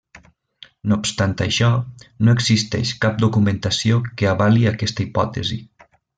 No obstant això, no existeix cap documentació que avali aquesta hipòtesi.